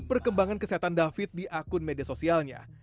perkembangan kesehatan david di akun media sosialnya